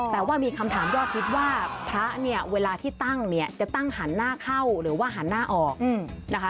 แต่ว่ามีคำถามยอดฮิตว่าพระเนี่ยเวลาที่ตั้งเนี่ยจะตั้งหันหน้าเข้าหรือว่าหันหน้าออกนะคะ